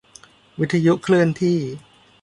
วิทยุเคลื่อนที่